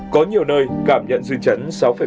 có nhiều nơi cảm nhận dư chấn sáu bảy